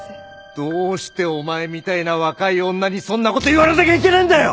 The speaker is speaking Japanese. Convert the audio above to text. どうしてお前みたいな若い女にそんなこと言われなきゃいけねえんだよ！